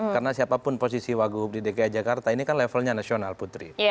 karena siapapun posisi waguh di dki jakarta ini kan levelnya nasional putri